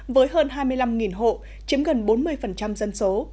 với hơn hai mươi năm hộ chiếm gần bốn mươi dân số